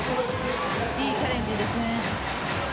いいチャレンジです。